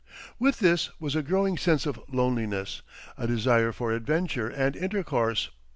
With this was a growing sense of loneliness, a desire for adventure and intercourse.